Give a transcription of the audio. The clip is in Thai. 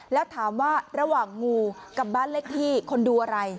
แล้วถามว่าระหว่างงูกับบ้านเลขที่คนดูอะไร